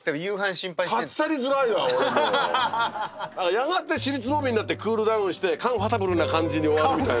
やがて尻すぼみになってクールダウンしてカンファタブルな感じに終わるみたいな。